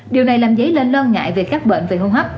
điều này làm dấy lên lo ngại về các bệnh về hô hấp